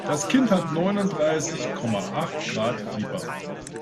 Das Kind hat Neunundreißig Komma Acht Grad Fieber.